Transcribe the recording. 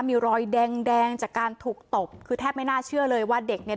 มีรอยแดงแดงจากการถูกตบคือแทบไม่น่าเชื่อเลยว่าเด็กเนี่ย